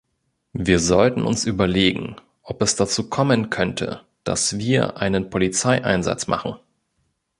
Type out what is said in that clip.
Wir sollten uns überlegen, ob es dazu kommen könnte, dass wir einen Polizeieinsatz machen.